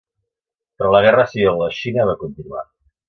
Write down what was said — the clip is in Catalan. Però la guerra civil a la Xina va continuar.